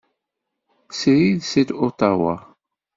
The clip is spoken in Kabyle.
Srid seg Otawa.